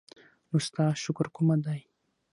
نو ستا شکر کومه دی؟